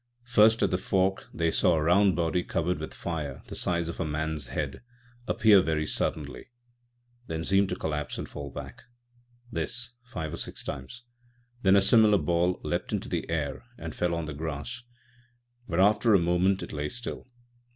First, at the fork, they saw a round body covered with fire â€" the size of a man's head â€" appear very suddenly, then seem to collapse and fall back. This, five or six times; then a similar ball leapt into the air and fell on the grass, where after a moment it lay still.